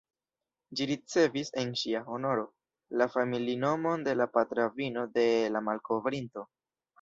Ĝi ricevis, en ŝia honoro, la familinomon de la patra avino de la malkovrinto.